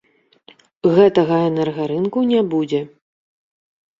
Гэтага энергарынку не будзе.